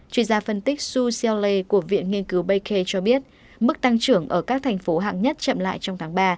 chuyên gia phân tích xu xiaolei của viện nghiên cứu bayk cho biết mức tăng trưởng ở các thành phố hạng nhất chậm lại trong tháng ba